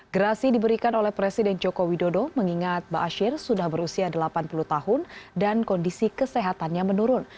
gerasi diberikan oleh presiden joko widodo mengingat ⁇ baasyir ⁇ sudah berusia delapan puluh tahun dan kondisi kesehatannya menurun